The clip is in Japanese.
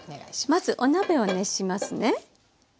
まずお鍋を熱しますね。